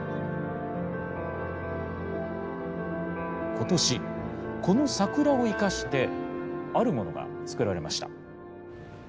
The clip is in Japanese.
ことしこの桜をいかしてあるものが作られました。